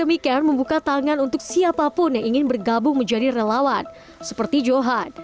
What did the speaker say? demikian membuka tangan untuk siapapun yang ingin bergabung menjadi relawan seperti johan